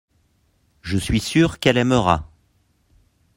je suis sûr qu'elle aimera.